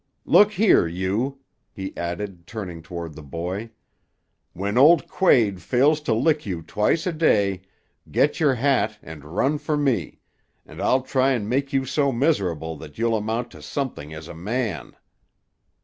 Look here, you," he added turning toward the boy, "when old Quade fails to lick you twice a day, get your hat and run for me; and I'll try and make you so miserable that you'll amount to something as a man."